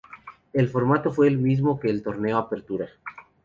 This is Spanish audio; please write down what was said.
El formato fue el mismo que el Torneo Apertura.